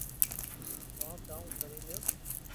ڪو ڪاو ڪري ليو